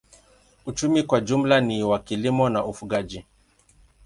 Uchumi kwa jumla ni wa kilimo na ufugaji.